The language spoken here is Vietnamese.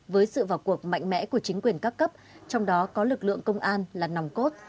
với sự vào cuộc mạnh mẽ của chính quyền các cấp trong đó có lực lượng công an là nòng cốt